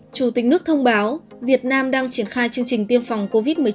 chủ tịch nước thông báo việt nam đang triển khai chương trình tiêm phòng covid một mươi chín